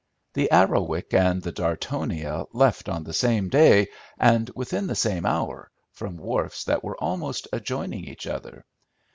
The Arrowic and the Dartonia left on the same day and within the same hour, from wharfs that were almost adjoining each other.